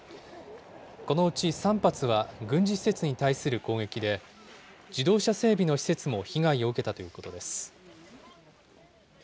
このうち３発は軍事施設に対する攻撃で、自動車整備の施設も被害を受けたということです。